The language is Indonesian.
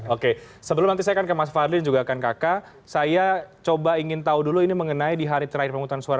oke sebelum nanti saya akan ke mas fadli dan juga akan kakak saya coba ingin tahu dulu ini mengenai di hari terakhir penghutang suara